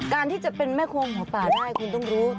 การที่จะเป็นแม่โคมหัวป่าได้คุณต้องรู้